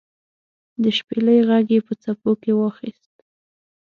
د شپیلۍ ږغ یې په څپو کې واخیست